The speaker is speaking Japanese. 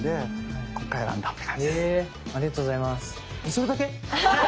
それだけ？